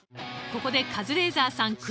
ここでカズレーザーさん